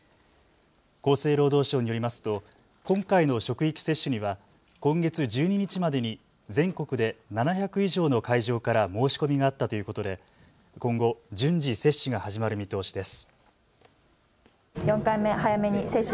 厚生労働省によりますと今回の職域接種には今月１２日までに全国で７００以上の会場から申し込みがあったということで今後、順次接種が始まる見通しです。